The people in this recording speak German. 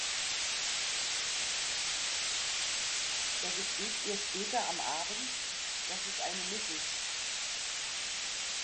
Er gesteht ihr später am Abend, dass es eine Mrs.